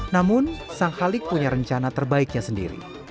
namun sang halik punya rencana terbaiknya sendiri